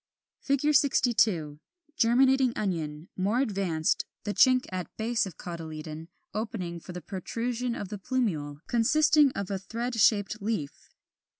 ] [Illustration: Fig. 62. Germinating Onion, more advanced, the chink at base of cotyledon opening for the protrusion of the plumule, consisting of a thread shaped leaf.